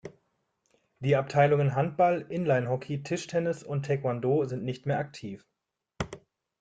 Die Abteilungen Handball, Inlinehockey, Tischtennis und Taekwon-Do sind nicht mehr aktiv.